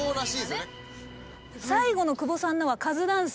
最後の久保さんのはカズダンス？